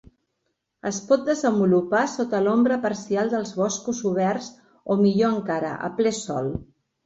Es pot desenvolupar sota l'ombra parcial dels boscos oberts o millor encara a ple sol.